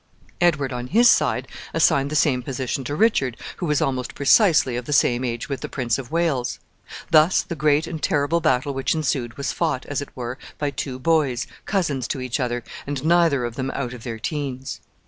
Edward, on his side, assigned the same position to Richard, who was almost precisely of the same age with the Prince of Wales. Thus the great and terrible battle which ensued was fought, as it were, by two boys, cousins to each other, and neither of them out of their teens.